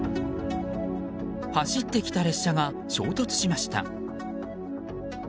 走ってきた列車が衝突しました。